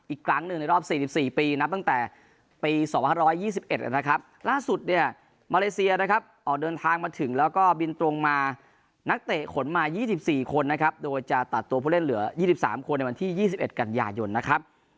อีกครั้งหนึ่งในรอบสี่สิบสี่ปีนับตั้งแต่ปีสองหัวห้าร้อยยี่สิบเอ็ดนะครับ